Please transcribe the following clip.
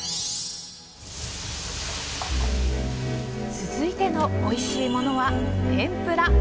続いてのおいしいモノは、天ぷら。